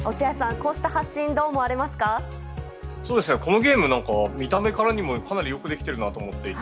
このゲーム、見た目からかなりよくできているなと思っていて。